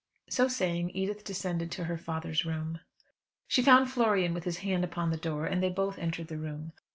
So saying, Edith descended to her father's room. She found Florian with his hand upon the door, and they both entered the room.